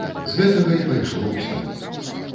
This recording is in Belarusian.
З гэтага і пайшло ўсё.